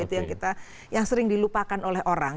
itu yang sering dilupakan oleh orang